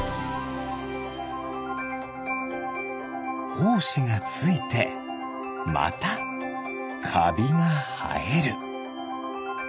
ほうしがついてまたかびがはえる。